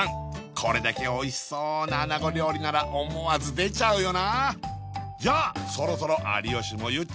これだけおいしそうなあなご料理なら思わず出ちゃうよなじゃあそろそろ有吉も言っちゃうんじゃない？